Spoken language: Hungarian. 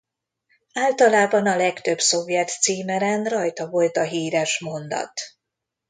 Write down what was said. Általában a legtöbb szovjet címeren rajta volt a híres mondat.